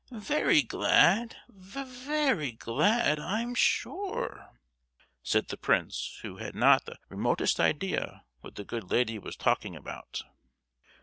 Very glad, ve—ry glad, I'm sure!" said the prince, who had not the remotest idea what the good lady was talking about!